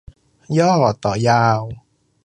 ย่อ : ยาว